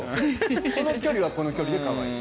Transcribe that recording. この距離はこの距離で可愛い。